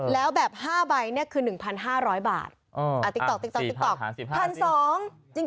แล้วแบบ๕ใบเนี่ยคือ๑๕๐๐บาทติ๊กต๊อกติ๊กต๊อกติ๊กต๊อก